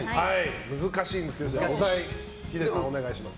難しいんですけどお題をお願いします。